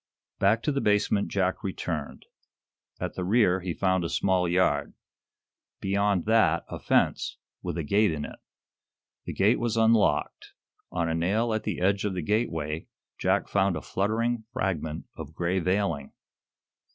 Back to the basement Jack returned. At the rear he found a small yard. Beyond that a fence, with a gate in it. The gate was unlocked. On a nail at the edge of the gateway Jack found a fluttering fragment of gray veiling.